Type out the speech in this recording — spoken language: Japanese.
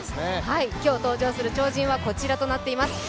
今日、登場する超人はこちらとなっています。